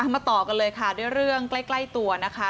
มาต่อกันเลยค่ะด้วยเรื่องใกล้ตัวนะคะ